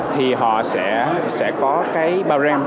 thì họ sẽ có cái bao rem